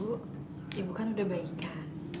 bu ibu kan udah baikan